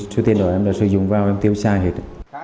số tiền đồ em đã sử dụng vào em tiêu tra hết